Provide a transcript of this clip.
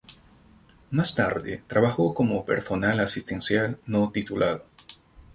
Más tarde trabajó como personal asistencial no titulado.